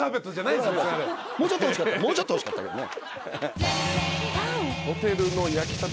もうちょっと欲しかったけどね。